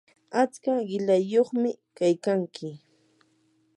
¿atska qilayyuqku kaykanki?